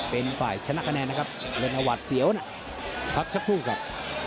เป็นฝ่ายชนะคะแนนนะครับเป็นอวัดเสียวนะพักสักครู่ครับ